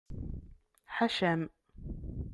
Ḥaca-m!